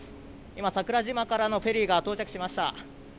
今、桜島からのフェリーが到着しました。